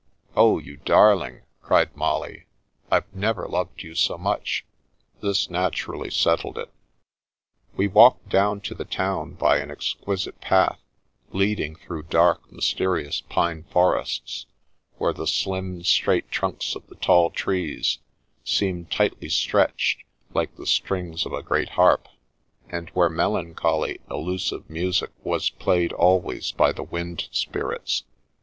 "Oh, you darling!" cried Molly, "I've never loved you so much." This naturally settled it. We walked down to the town by an exquisite path leading through dark, mysterious pine forests , where the slim, straight trunks of the tall trees seemed tightly stretched, like the strings of a great harp, and where melancholy, elusive music was played always by the wind spirits.